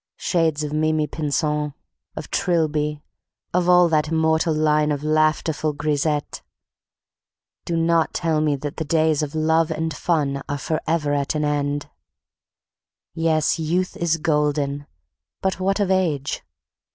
Shades of Mimi Pinson, of Trilby, of all that immortal line of laughterful grisettes, do not tell me that the days of love and fun are forever at an end! Yes, youth is golden, but what of age?